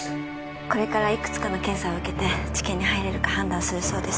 これからいくつかの検査を受けて治験に入れるか判断するそうです